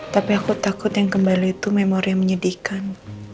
tapi aku takut yang kembali itu memori yang menyedihkan